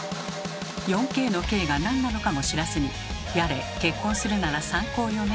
４Ｋの「Ｋ」がなんなのかも知らずにやれ「結婚するなら３高よね」